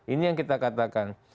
ini yang kita katakan